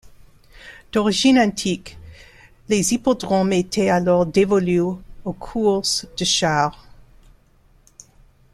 D'origine antique, les hippodromes étaient alors dévolus aux courses de chars.